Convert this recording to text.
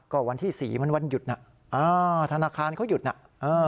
ก็วันที่สี่มันวันหยุดน่ะอ่าธนาคารเขาหยุดน่ะเออ